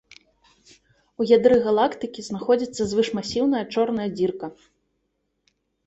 У ядры галактыкі знаходзіцца звышмасіўная чорная дзірка.